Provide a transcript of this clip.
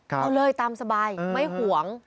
เอาเลยตามสบายไม่ห่วง